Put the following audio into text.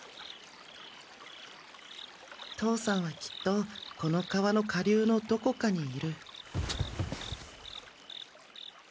父さんはきっとこの川の下流のどこかにいる。